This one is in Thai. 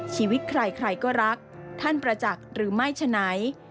ชีวิตใครใครก็รักท่านประจักษ์หรือไม่ฉะนั้น